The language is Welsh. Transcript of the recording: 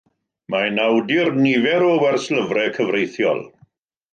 Mae'n awdur nifer o werslyfrau cyfreithiol.